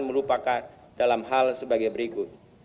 merupakan dalam hal sebagai berikut